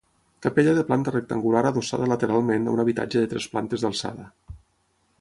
Capella de planta rectangular adossada lateralment a un habitatge de tres plantes d'alçada.